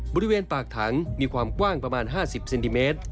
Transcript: บริเวณปากถังมีความกว้างประมาณ๕๐เซนติเมตร